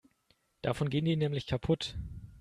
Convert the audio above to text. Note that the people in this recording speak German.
Davon gehen die nämlich kaputt.